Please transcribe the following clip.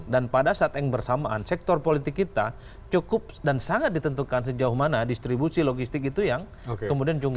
dan pada saat yang bersamaan sektor politik kita cukup dan sangat ditentukan sejauh mana distribusi logistik itu yang kemudian cungguh